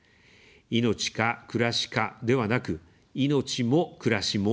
「命か、暮らしか」ではなく、「命も、暮らしも」